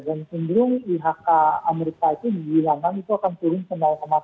dan cenderung ihk amerika itu di wilayah nang itu akan turun ke tiga